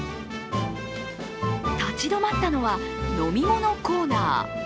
立ち止まったのは飲み物コーナー。